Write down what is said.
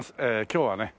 今日はね